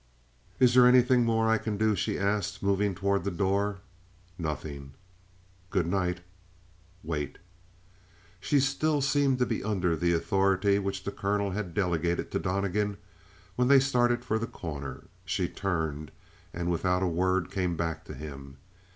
"Is there anything more that I can do?" she asked, moving toward the door. "Nothing." "Good night." "Wait." She still seemed to be under the authority which the colonel had delegated to Donnegan when they started for The Corner. She turned, and without a word came back to him.